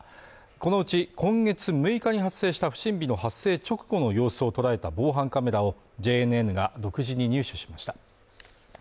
このうち今月６日に発生した不審火の発生直後の様子を捉えた防犯カメラをＪＮＮが独自に入手しました